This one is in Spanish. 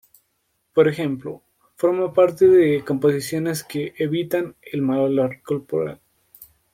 Por ejemplo, forma parte de composiciones que evitan el mal olor corporal.